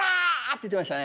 言ってましたね。